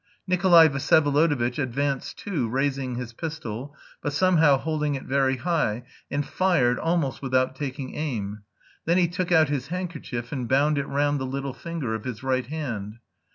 Nikolay Vsyevolodovitch advanced too, raising his pistol, but somehow holding it very high, and fired, almost without taking aim. Then he took out his handkerchief and bound it round the little finger of his right hand.